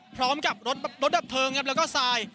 พร้อมกับรถดับเทิงและก็สาย